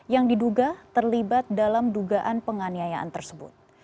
yang diduga terlibat dalam dugaan penganiayaan tersebut